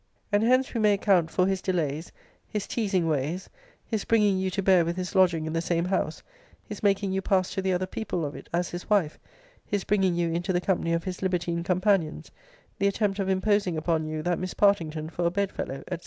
[And hence we may account for] his delays his teasing ways his bringing you to bear with his lodging in the same house his making you pass to the other people of it as his wife his bringing you into the company of his libertine companions the attempt of imposing upon you that Miss Partington for a bedfellow, &c.